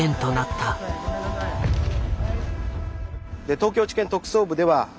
東京地検特捜部では。